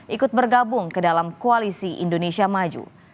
ikut bergabung ke dalam koalisi indonesia maju